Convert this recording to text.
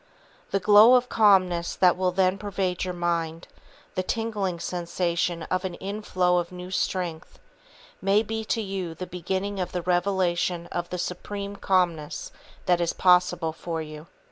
The glow of calmness that will then pervade your mind, the tingling sensation of an inflow of new strength, may be to you the beginning of the revelation of the supreme calmness that is possible for you.